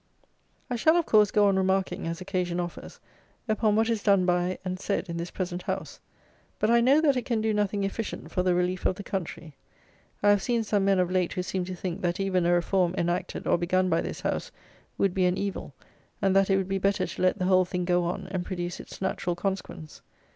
I shall, of course, go on remarking, as occasion offers, upon what is done by and said in this present House; but I know that it can do nothing efficient for the relief of the country. I have seen some men of late, who seem to think, that even a reform, enacted, or begun, by this House, would be an evil; and that it would be better to let the whole thing go on, and produce its natural consequence.